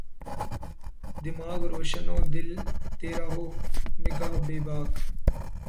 دماغ روشن و دل تیرہ و نگہ بیباک